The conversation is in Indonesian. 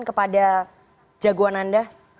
kepada jagoan anda